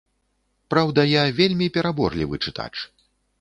Праўда, я вельмі пераборлівы чытач.